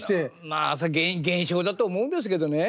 まあ現象だと思うんですけどね。